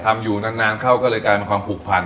อยู่นานเข้าก็เลยกลายเป็นความผูกพัน